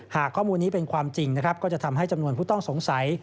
หากข้อมูลนี้เป็นความจริงนะครับก็จะทำให้จำนวนผู้ต้องสงสัย